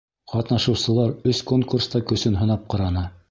Ҡатнашыусылар өс конкурста көсөн һынап ҡараны.